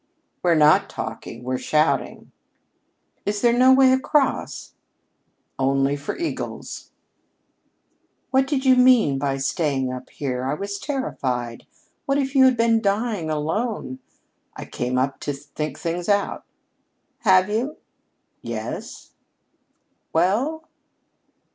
"We're not talking. We're shouting." "Is there no way across?" "Only for eagles." "What did you mean by staying up here? I was terrified. What if you had been dying alone " "I came up to think things out." "Have you?" "Yes." "Well?"